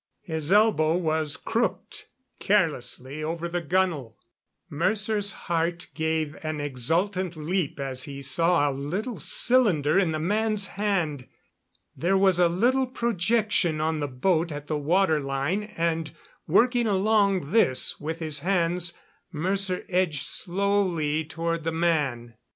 His elbow was crooked, carelessly over the gunwale. Mercer's heart gave an exultant leap as he saw a little cylinder in the man's hand. There was a little projection on the boat at the water line, and, working along this with his hands, Mercer edged slowly toward the man.